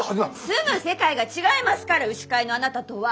住む世界が違いますから牛飼いのあなたとは。